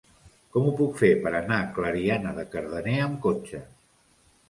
Com ho puc fer per anar a Clariana de Cardener amb cotxe?